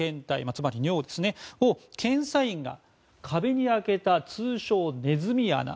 つまり尿を、検査員が壁に開けた通称ネズミ穴